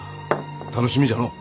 楽しみじゃのう。